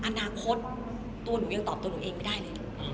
อนาคตตัวหนูยังตอบตัวหนูเองไม่ได้เลย